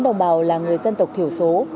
đồng bào là người dân tộc thiểu số